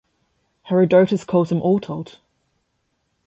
Herodotus calls him Ortalt.